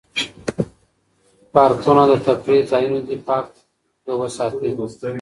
پارکونه د تفریح ځایونه دي پاک یې وساتئ.